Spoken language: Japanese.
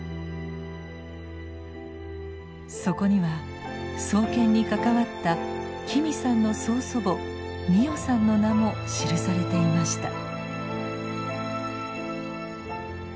そこには創建に関わった紀美さんの曽祖母ミヨさんの名も記されていました。